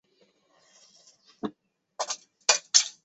目前美国华商总会属下有超过一百多个团体。